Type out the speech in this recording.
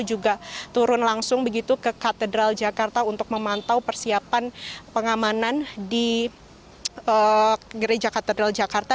juga turun langsung begitu ke katedral jakarta untuk memantau persiapan pengamanan di gereja katedral jakarta